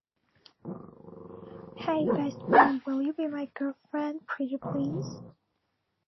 Hey, best friend, will you be my girlfriend? Pretty please.